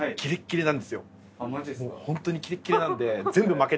ホントにキレッキレなんで。